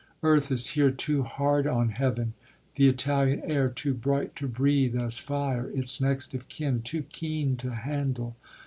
Earth Is here too hard on heaven the Italian air Too bright to breathe, as fire, its next of kin, Too keen to handle.